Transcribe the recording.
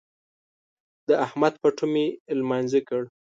د احمد پټو مې لمانځي کړ.